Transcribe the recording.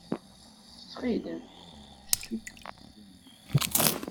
Ttxil-m, ssu-d usu-nni.